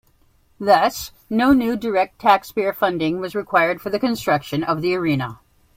Thus, no new direct taxpayer funding was required for the construction of the arena.